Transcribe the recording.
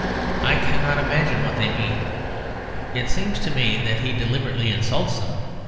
I cannot imagine what they mean; it seems to me that he deliberately insults them.